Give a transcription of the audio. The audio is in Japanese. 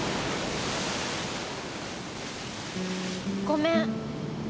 ごめん。